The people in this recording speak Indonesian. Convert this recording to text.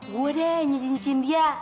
gua deh nyuciin dia